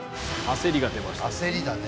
焦りだね。